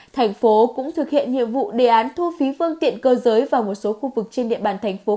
thành phố cũng thực hiện nhiệm vụ đề án thu phí phương tiện cơ giới vào một số khu vực trên địa bàn thành phố